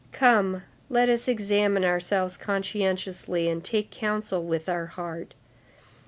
Come, let us examine ourselves conscientiously and take counsel with our heart.